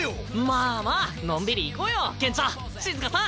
まあまあのんびりいこうよケンチョシズカさん